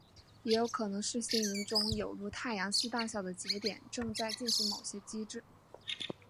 也有可能是星云中有如太阳系大小的节点正在进行某些机制。